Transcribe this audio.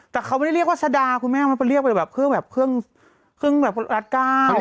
แต่เค้าไม่เรียกว่าคุณแม่มันเป็นเรียกแบบเครื่องแบบเลือดกล้าว